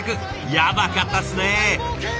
やばかったっすね。